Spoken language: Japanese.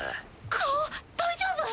顔大丈夫？